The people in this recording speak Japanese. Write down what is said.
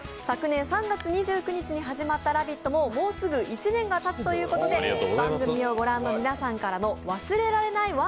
昨年３月２９日に始まった「ラヴィット！」ももうすぐ１年がたつということで番組を御覧の皆さんからの忘れられない